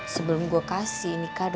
sebelum gue kasih nikah